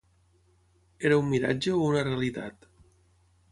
Era un miratge o una realitat?